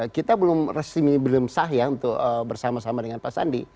kita belum resmi belum sah ya untuk bersama sama dengan pak sandi